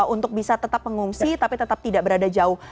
untuk bisa tetap mengungsi tapi tetap tidak dihentikan